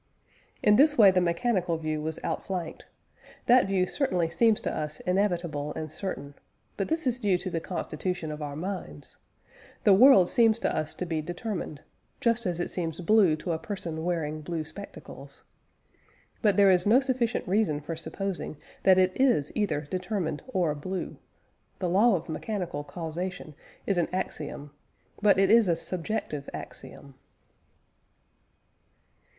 In this way the mechanical view was outflanked; that view certainly seems to us inevitable and certain, but this is due to the constitution of our minds; the world seems to us to be determined, just as it seems blue to a person wearing blue spectacles. But there is no sufficient reason for supposing that it is either determined or blue. The law of mechanical causation is an axiom, but it is a subjective axiom.